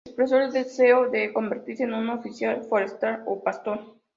Expresó el deseo de convertirse en un oficial forestal o pastor.